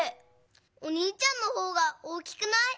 おにいちゃんのほうが大きくない？